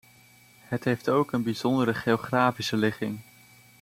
Het heeft ook een bijzondere geografische ligging.